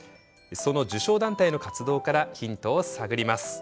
その受賞団体の活動からヒントを探ります。